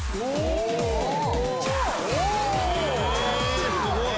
すごい！